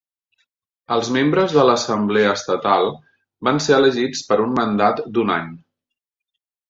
Els membres de l'Assemblea Estatal van ser elegits per un mandat d'un any.